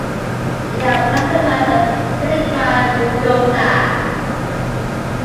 It now classified as "Tiliqua rugosa".